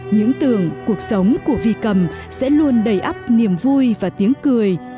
những tường cuộc sống của vi cầm sẽ luôn đầy ấp niềm vui và tiếng cười